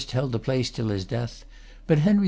held the place till his death; but Henry II.